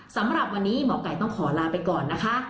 สำหรับวันนี้หมอไก่ต้องขอลาไปก่อนนะคะ